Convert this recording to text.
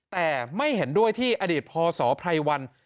แต่ไม่เห็นด้วยที่อดีตพศไพรวัน